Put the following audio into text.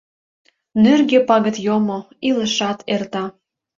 Нӧргӧ пагыт йомо, илышат эрта.